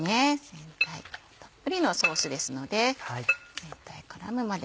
たっぷりのソースですので全体絡むまで。